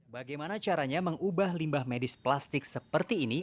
bagaimana caranya mengubah limbah medis plastik seperti ini